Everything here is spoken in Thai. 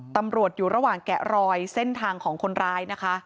ตำรวจอยู่ระหว่างแกะรอยเส้นทางของคนร้ายนะคะ